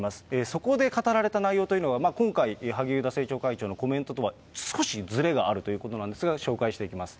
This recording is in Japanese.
そこで語られた内容というのは、今回、萩生田政調会長のコメントとは少しずれがあるということなんですが、紹介していきます。